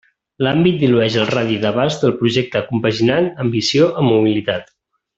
L'àmbit dilueix el radi d'abast del projecte compaginant ambició amb humilitat.